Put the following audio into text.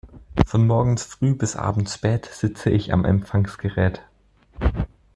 Von morgens früh bis abends spät sitze ich am Empfangsgerät.